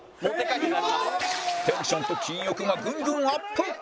テンションと金欲がグングンアップ！